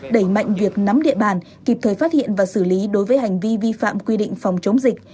đẩy mạnh việc nắm địa bàn kịp thời phát hiện và xử lý đối với hành vi vi phạm quy định phòng chống dịch